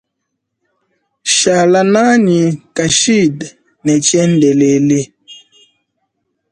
Shala nʼanyi kashid ne tshiendelele.